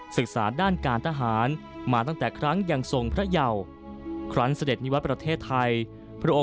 ศึกษาด้านการทหารมาตั้งแต่ครั้งอย่างทรงพระเยา